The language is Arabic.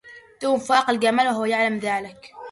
توم فائق الجمال وهو يعلم ذلك.